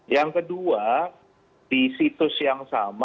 yang kedua di situs yang sama